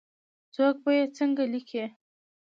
څوک به یې څنګه لیکي ؟